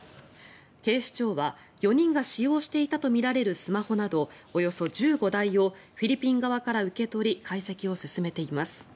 警視庁は４人が使用していたとみられるスマホなどおよそ１５台をフィリピン側から受け取り解析を進めています。